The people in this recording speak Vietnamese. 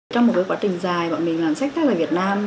trong một quá trình dài bọn mình làm sách tác giả việt nam